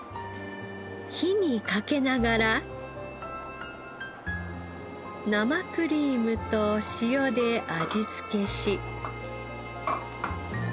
火にかけながら生クリームと塩で味付けし。